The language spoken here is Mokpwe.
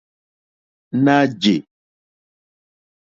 Ná jè.